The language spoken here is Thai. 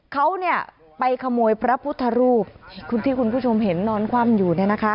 เขาไปขโมยพระพุทธรูปที่คุณผู้ชมเห็นนอนความอยู่